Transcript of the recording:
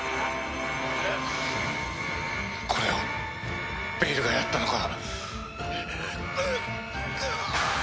これをベイルがやったのか？